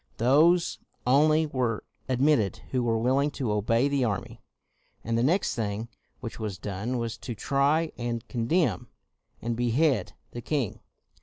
Those only were admitted who were will ing to obey the army. And the next thing which was done was to try, and condemn, and behead the king.